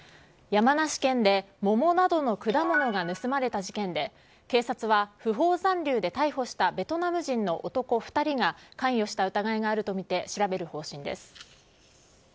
山梨県で桃などの果物が盗まれた事件で警察は不法残留で逮捕したベトナム人の男２人が関与した疑いがあるとみて調べる方針です。